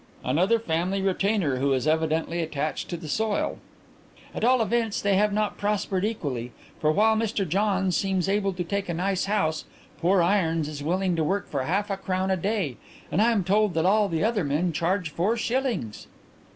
"Another family retainer who is evidently attached to the soil." "At all events they have not prospered equally, for while Mr Johns seems able to take a nice house, poor Irons is willing to work for half a crown a day, and I am told that all the other men charge four shillings."